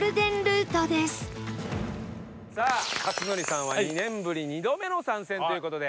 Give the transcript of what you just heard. さあ克典さんは２年ぶり２度目の参戦という事で。